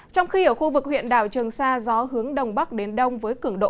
trong khi ở khu vực huyện đảo trường sa gió hướng đông bắc đến đông với cứng độ